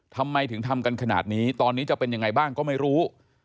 ทำไมถึงทำกันขนาดนี้ตอนนี้จะเป็นยังไงบ้างก็ไม่รู้